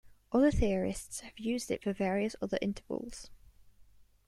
Other theorists have used it for various other intervals.